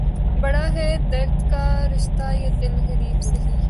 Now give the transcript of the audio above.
بڑا ہے درد کا رشتہ یہ دل غریب سہی